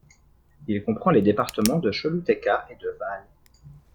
Il comprend les départements de Choluteca et de Valle.